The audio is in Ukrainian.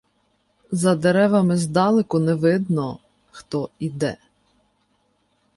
За деревами здалеку не видно, хто 'іде.